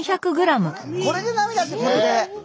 これで並だってこれで。